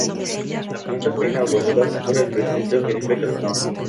La planta fue inaugurada por el Presidente Felipe Calderón.